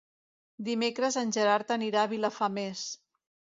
Dimecres en Gerard anirà a Vilafamés.